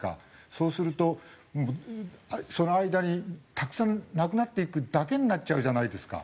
そうするとその間にたくさん亡くなっていくだけになっちゃうじゃないですか。